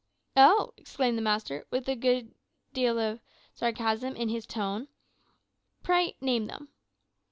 "`Oh!' exclaimed the master, with a good deal of sarcasm in his tone; `pray, name them.'